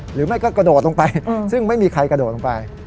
หรือไม่ก็กระโดดลงไปซึ่งไม่มีใครกระโดดลงไป